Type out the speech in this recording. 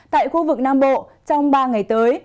tại khu vực nam bộ trong ba ngày tới